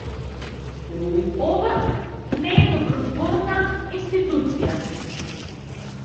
Ова не е добротворна институција.